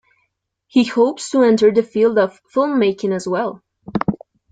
He hopes to enter the field of filmmaking as well.